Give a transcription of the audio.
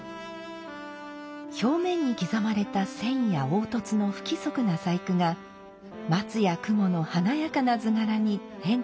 表面に刻まれた線や凹凸の不規則な細工が松や雲の華やかな図柄に変化を添えます。